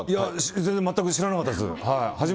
全然全く知らなかったです。